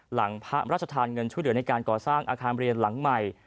หลังพระราชทานเงินช่วยเหลือในการก่อสร้างอาคารเรียนหลังใหม่